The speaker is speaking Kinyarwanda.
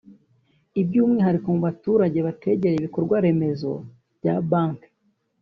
by’umwihariko mu baturage bategereye ibikorwa remezo bya banki